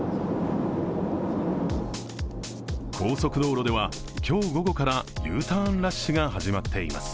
高速道路では今日午後からＵターンラッシュが始まっています。